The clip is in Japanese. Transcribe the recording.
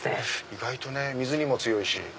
意外とね水にも強いし。